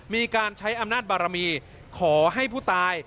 มีการใช้อำนาจบารมีขอให้ผู้ตาย